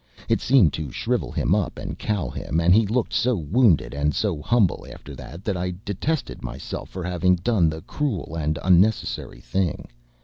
It seemed to shrivel him up and cow him; and he looked so wounded and so humble after that, that I detested myself for having done the cruel and unnecessary thing.